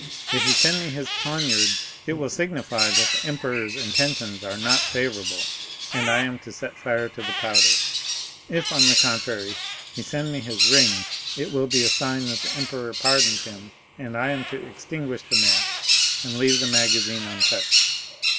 'If he send me his poniard, it will signify that the emperor's intentions are not favorable, and I am to set fire to the powder; if, on the contrary, he send me his ring, it will be a sign that the emperor pardons him, and I am to extinguish the match and leave the magazine untouched.